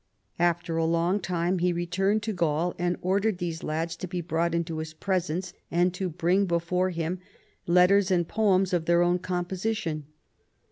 After a long time he returned to Gaul, and ordered these lads to be brought into his presence, and to bring before him letters and poems of their own composition.